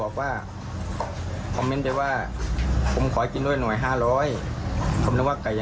โอ้โหฟันหน้าด้วย